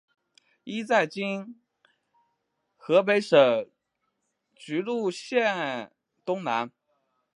一在今河北省涿鹿县东南。